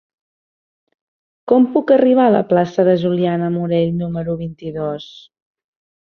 Com puc arribar a la plaça de Juliana Morell número vint-i-dos?